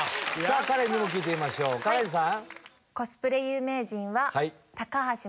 カレンにも聞いてみましょうカレンさん！